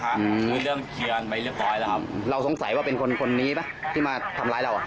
ก็เริ่มเกลียดไปเรียบร้อยแล้วครับเราสงสัยว่าเป็นคนนี้ไหมที่มาทำร้ายเรา